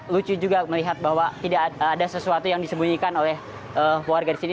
lucu juga melihat bahwa tidak ada sesuatu yang disembunyikan oleh warga di sini